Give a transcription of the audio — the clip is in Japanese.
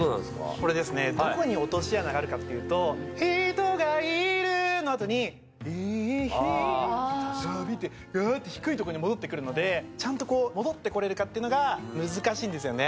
これどこに落とし穴があるかっていうと「人がいる」の後に「いい日旅」ってがって低いところに戻って来るのでちゃんとこう戻って来れるかっていうのが難しいんですよね。